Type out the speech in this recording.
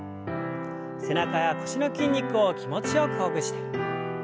背中や腰の筋肉を気持ちよくほぐして。